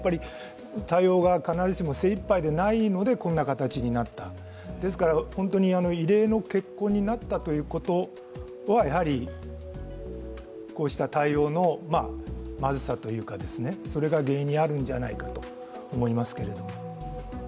対応が必ずしも精いっぱいでないのでこんな形になった、ですから、本当に異例の結婚になったということはやはりこうした対応の、まずさというか、それが原因にあるんじゃないかと思いますけれども。